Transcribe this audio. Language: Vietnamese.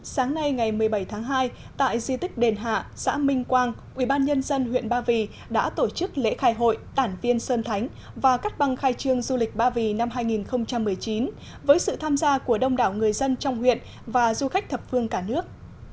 sáng nay ngày một mươi bảy tháng hai tại di tích đền hạ xã minh quang ubnd huyện ba vì đã tổ chức lễ khai hội tản viên sơn thánh và cắt băng khai trương du lịch ba vì năm hai nghìn một mươi chín với sự tham gia của đông đảo người dân trong huyện và du khách thập phương cả nước